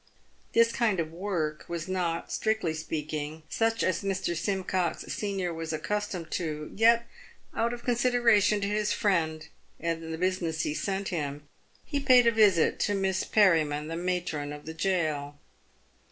This kind of work was not, strictly speaking, such as Mr. Simcox, senior, was accustomed to, yet out of consideration to his friend, and the business he sent him, he paid a visit to Miss Perri man, the matron of the gaol.